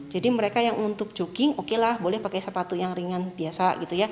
jadi mereka yang untuk jogging oke lah boleh pakai sepatu yang ringan biasa